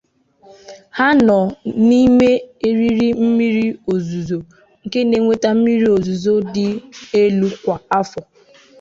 Ha nọ n'ime eriri mmiri ozuzo nke na-enweta mmiri ozuzo dị elu kwa afọ.